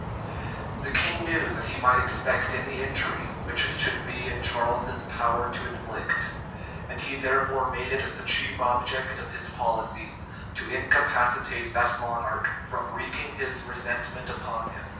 The king knew that he might expect any injury which it should be in Charles's power to inflict; and he therefore made it the chief object of his policy to incapacitate that monarch from wreaking his resentment upon him.